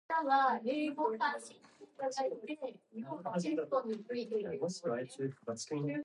The sources that support the dating of the church are limited.